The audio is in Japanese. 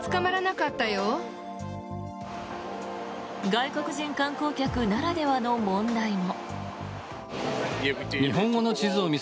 外国人観光客ならではの問題も。